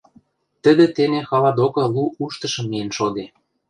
Тӹдӹ тене хала докы лу уштышым миэн шоде.